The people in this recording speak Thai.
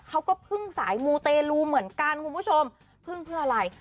เขาก็พึ่งสายมูเตลูเหมือนกันคุณผู้ชมพึ่งเพื่ออะไร